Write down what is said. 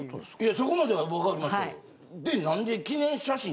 そこまでは分かりましたよ。